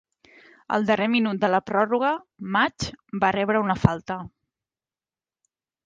Al darrer minut de la pròrroga, Mutch va rebre una falta.